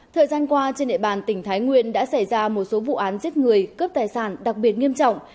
thời gian qua trên địa bàn tỉnh thái nguyên đã xảy ra một số vụ án giết người cướp tài sản đặc biệt nghiêm trọng